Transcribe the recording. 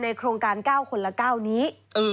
โครงการ๙คนละ๙นี้